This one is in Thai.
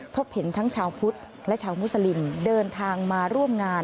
พบเห็นทั้งชาวพุทธและชาวมุสลิมเดินทางมาร่วมงาน